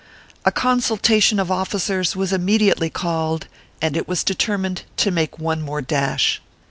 A consultation of officers was immediately called, and it was determined to make one more dash.